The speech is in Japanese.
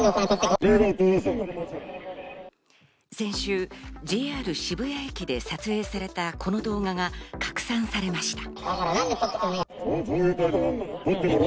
先週、ＪＲ渋谷駅で撮影されたこの動画が拡散されました。